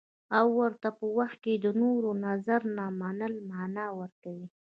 او په ورته وخت کې د نورو نظر نه منل مانا ورکوي.